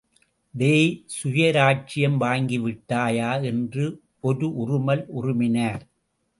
டேய் சுயராச்சியம் வாங்கிவிட்டாயா? என்று ஒரு உறுமல் உறுமினார்.